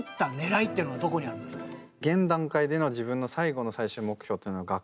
現段階での自分の最後の最終目標っていうのははあ。